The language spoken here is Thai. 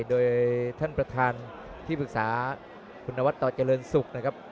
โดยท่านประธานที่ปรึกษาคุณนวัดต่อเจริญศุกร์นะครับ